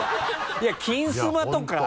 いや「金スマ」とか。